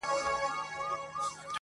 ژوند د وېري سيوري للاندي دی،